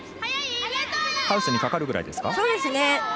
ハウスにかかるぐらいですか。